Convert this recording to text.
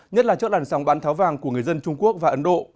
nhất là trước làn sóng bán tháo vàng của người dân trung quốc và ấn độ